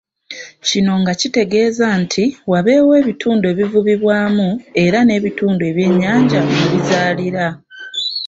Kino nga kitegeeza nti wabeewo ebitundu ebivubibwaamu era n'ebitundu ebyenyanja mwe bizaalira.